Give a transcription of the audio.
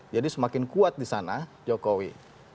jadi semakin kuat di sana jokowi